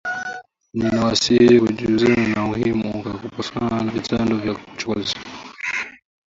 Ninawasihi kujizuia na ni muhimu kujiepusha na vitendo vya uchokozi.